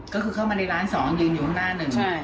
ก็คือเข้ามาในร้านสองยืนอยู่ข้างหน้าหนึ่ง